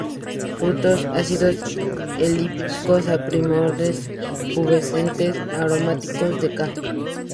Frutos: ácidos, elípticos a piriformes, pubescentes, aromáticos, de ca.